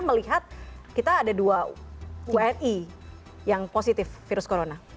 melihat kita ada dua wni yang positif virus corona